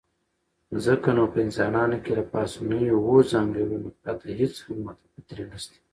ځکه نو په انسانانو کې له پاسنيو اووو ځانګړنو پرته هېڅ هم فطري نشته.